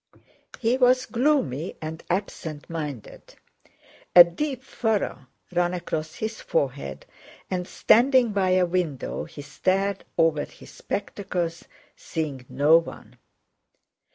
He was gloomy and absent minded. A deep furrow ran across his forehead, and standing by a window he stared over his spectacles seeing no one.